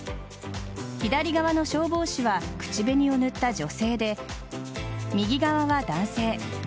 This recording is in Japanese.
左側の消防士は口紅を塗った女性で右側は男性。